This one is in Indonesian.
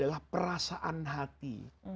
adalah perasaan hati